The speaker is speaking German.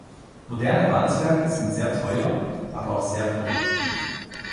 Moderne Walzwerke sind sehr teuer, aber auch sehr produktiv.